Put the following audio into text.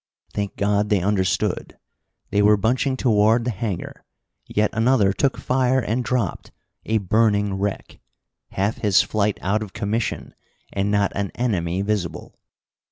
Thank God they understood! They were bunching toward the hangar. Yet another took fire and dropped, a burning wreck. Half his flight out of commission, and not an enemy visible!